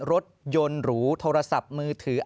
รถยนต์หรูโทรศัพท์มือถือ